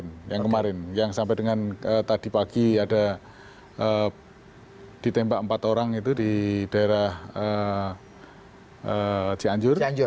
korban yang kemarin yang sampai dengan tadi pagi ada ditembak empat orang itu di daerah cianjur